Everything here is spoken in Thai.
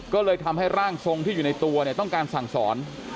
ก็เลยทำให้ร่างทรงที่อยู่ในตัวเนี่ยต้องการสั่งสอน